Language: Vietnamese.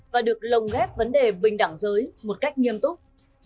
và được lồng ghép vấn đề bình đẳng giới một cách nghiêm túc